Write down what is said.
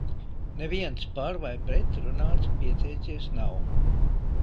"Neviens "par" vai "pret" runāt pieteicies nav."